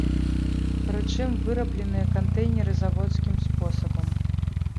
Прычым, вырабленыя кантэйнеры заводскім спосабам.